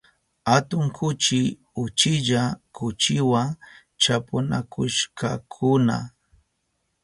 Atun kuchi uchilla kuchiwa chapunakushkakuna.